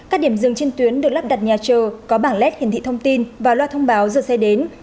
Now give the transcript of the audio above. các điểm dừng trên tuyến được lắp đặt nhà chờ có bảng led hiển thị thông tin và loa thông báo dừng xe đến